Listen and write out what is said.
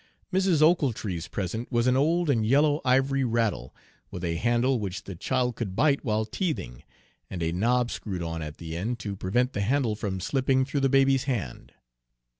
Mrs. Ochiltree's present was an old and yellow ivory rattle, with a handle which the child could bite while teething, and a knob screwed on at the end to prevent the handle from slipping through the baby's hand.